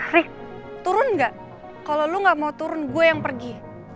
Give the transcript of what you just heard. rick turun gak kalo lo gak mau turun gue yang pergi